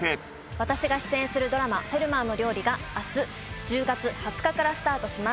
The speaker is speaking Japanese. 私が出演するドラマ「フェルマーの料理」が明日１０月２０日からスタートします。